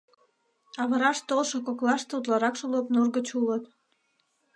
Авыраш толшо коклаште утларакше Лопнур гыч улыт.